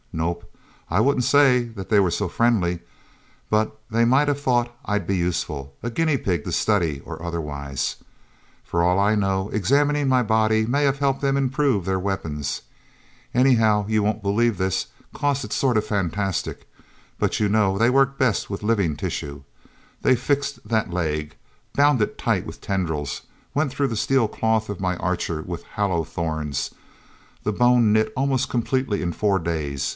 Nope, I wouldn't say that they were so friendly, but they might have thought I'd be useful a guinea pig to study and otherwise. For all I know, examining my body may have helped them improve their weapons... Anyhow you won't believe this 'cause it's sort of fantastic but you know they work best with living tissue. They fixed that leg, bound it tight with tendrils, went through the steel cloth of my Archer with hollow thorns. The bone knit almost completely in four days.